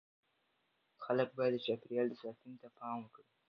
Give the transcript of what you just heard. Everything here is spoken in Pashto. خلک باید د چاپیریال ساتنې ته پام وکړي.